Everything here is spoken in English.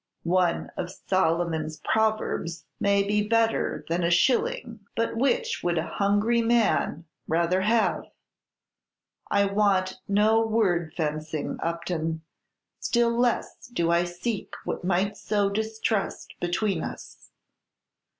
"One of Solomon's proverbs may be better than a shilling; but which would a hungry man rather have? I want no word fencing, Upton; still less do I seek what might sow distrust between us.